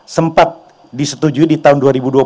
sempat disetujui di tahun dua ribu dua puluh